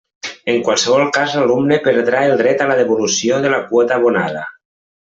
En qualsevol cas l'alumne perdrà el dret a la devolució de la quota abonada.